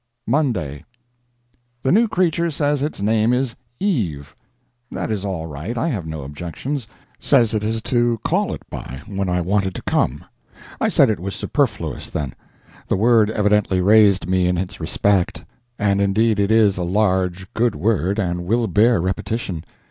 MONDAY. The new creature says its name is Eve. That is all right, I have no objections. Says it is to call it by, when I want it to come. I said it was superfluous, then. The word evidently raised me in its respect; and indeed it is a large, good word and will bear repetition.